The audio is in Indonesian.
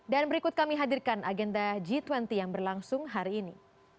dan berikut kami hadirkan agenda g dua puluh yang berlangsung hari ini